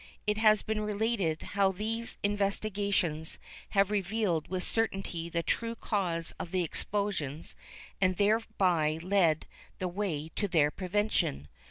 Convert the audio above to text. It has been related how these investigations have revealed with certainty the true cause of the explosions and thereby led the way to their prevention.